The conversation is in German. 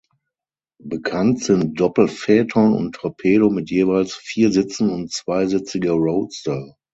Bekannt sind Doppelphaeton und Torpedo mit jeweils vier Sitzen und zweisitzige Roadster.